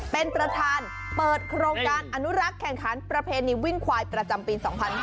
เป็นประธานเปิดโครงการอนุรักษ์แข่งขันประเพณีวิ่งควายประจำปี๒๕๕๙